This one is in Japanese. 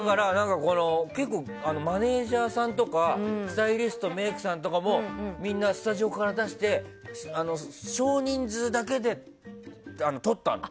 結構、マネジャーさんとかスタイリスト、メイクさんとかもみんなスタジオから出して小人数だけで撮ったの。